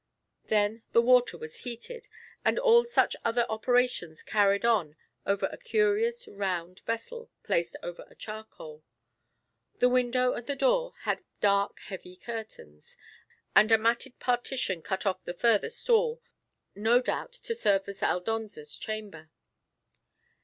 Then the water was heated, and all such other operations carried on over a curious round vessel placed over charcoal; the window and the door had dark heavy curtains; and a matted partition cut off the further stall, no doubt to serve as Aldonza's chamber.